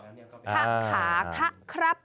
ขัะขาขัะครับ